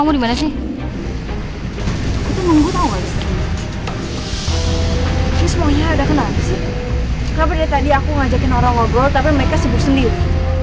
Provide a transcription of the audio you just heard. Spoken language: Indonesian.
kabar dari tadi aku ngajakin orang ngobrol tapi mereka sibuk sendiri